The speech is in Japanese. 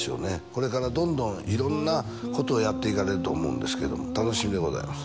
これからどんどん色んなことをやっていかれると思うんですけども楽しみでございます